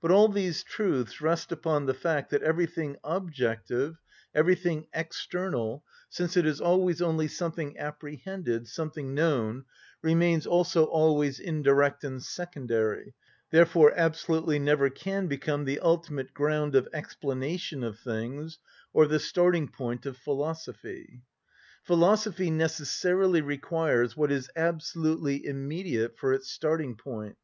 But all these truths rest upon the fact that everything objective, everything external, since it is always only something apprehended, something known, remains also always indirect and secondary, therefore absolutely never can become the ultimate ground of explanation of things or the starting‐point of philosophy. Philosophy necessarily requires what is absolutely immediate for its starting‐point.